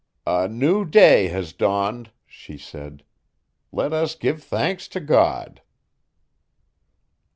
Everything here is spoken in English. "A new day has dawned," she said. "Let us give thanks to God."